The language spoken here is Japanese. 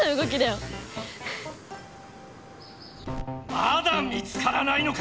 まだ見つからないのか！